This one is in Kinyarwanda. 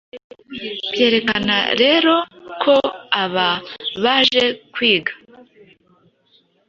byerekana rero ko baba baje kwiga.